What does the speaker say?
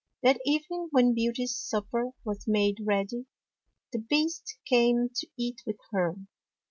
That evening, when Beauty's supper was made ready, the Beast came to eat with her.